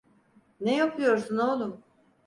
Ne yapıyorsun oğlum?